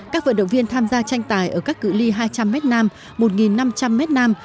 các vận động viên tham gia tranh tài ở các cự li hai trăm linh m nam một năm trăm linh m nam